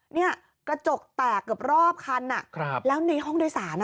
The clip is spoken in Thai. เนี่ยกระจกแตกเกือบรอบคันอ่ะครับแล้วในห้องโดยสารอ่ะ